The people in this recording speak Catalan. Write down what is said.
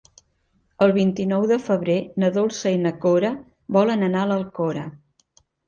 El vint-i-nou de febrer na Dolça i na Cora volen anar a l'Alcora.